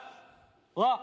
あっ！